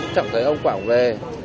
chẳng thấy ông quảng về